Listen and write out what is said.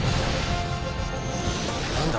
何だ？